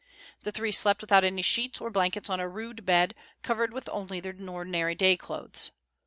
The three slept without sheets or blankets on a rude bed, covered only with their ordinary day clothes.